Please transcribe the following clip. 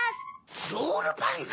ロールパンナ！